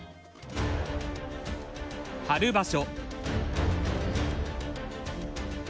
春場所。